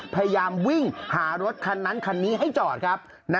พยายามวิ่งหารถคันนั้นคันนี้ให้จอดครับ